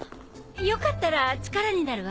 よかったら力になるわ。